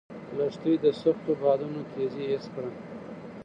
لښتې د سختو بادونو تېزي حس کړه.